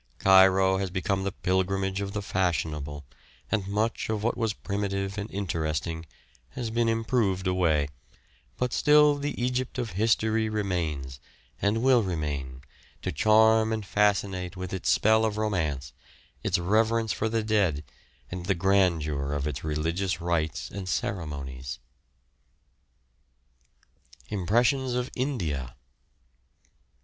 Cairo has become the pilgrimage of the fashionable, and much of what was primitive and interesting has been improved away, but still the Egypt of history remains, and will remain, to charm and fascinate with its spell of romance its reverence for the dead and the grandeur of its religious rites and ceremonies. IMPRESSIONS OF INDIA.